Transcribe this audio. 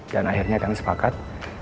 dan akhirnya kami sepakat